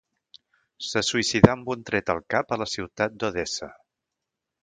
Se suïcidà amb un tret al cap a la ciutat d'Odessa.